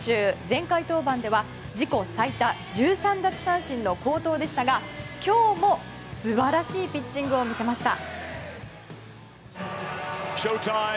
前回登板では自己最多１３奪三振の好投でしたが今日も素晴らしいピッチングを見せました。